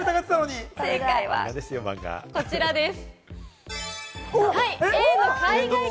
正解はこちらです。